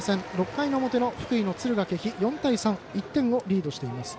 ６回の表、福井、敦賀気比４対３、１点をリードしています。